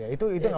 itu nggak masalah